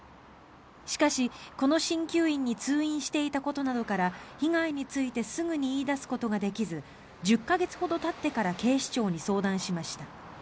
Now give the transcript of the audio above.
しかし、この鍼灸院に通院していたことなどから被害についてすぐに言い出すことができず１０か月ほどたってから警視庁に相談しました。